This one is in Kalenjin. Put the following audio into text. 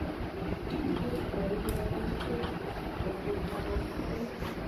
Much koiri kowaikchu ketik ago koik